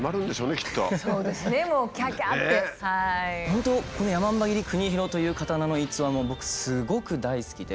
本当この山姥切国広という刀の逸話も僕すごく大好きで。